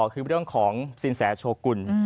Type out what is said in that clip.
คือเรื่องของสินแสโชกุล